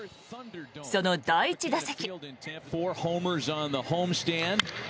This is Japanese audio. その第１打席。